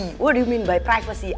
apa maksudnya privacy